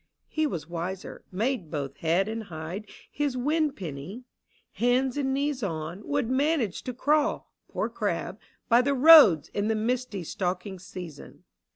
" He was wiser, made both head and hide His win penny : hands and knees on, Would manage to crawl — poor crab — by the roads In the misty stalking season.